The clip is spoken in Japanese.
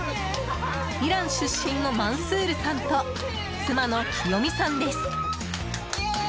イラン出身のマンスールさんと妻の、きよみさんです。